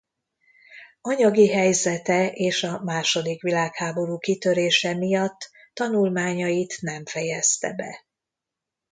Anyagi helyzete és a második világháború kitörése miatt tanulmányait nem fejezte be.